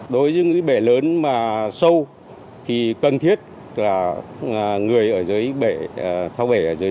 đối với những bể lớn mà sâu thì cần thiết là người ở dưới đó để theo dõi quá trình thao bể của người bên dưới